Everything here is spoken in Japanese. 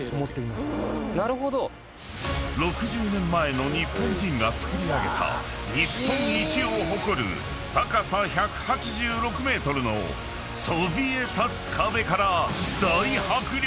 ［６０年前の日本人が造り上げた日本一を誇る高さ１８６ｍのそびえ立つ壁から］